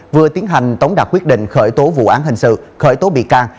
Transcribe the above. vừa tiến hành tống đạt quyết định khởi tố vụ án hình sự khởi tố bị can